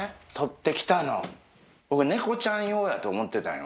僕猫ちゃん用やと思ってたんよ